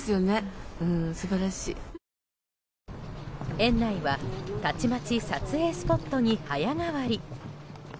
園内は、たちまち撮影スポットに早変わり。